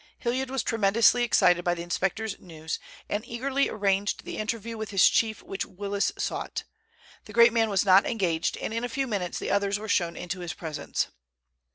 Hilliard was tremendously excited by the inspector's news, and eagerly arranged the interview with his chief which Willis sought. The great man was not engaged, and in a few minutes the others were shown into his presence.